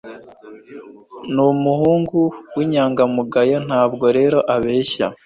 numuhungu winyangamugayo, ntabwo rero abeshya.